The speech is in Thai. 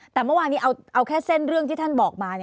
แต่เมื่อวานนี้เอาแค่เส้นเรื่องที่ท่านบอกมา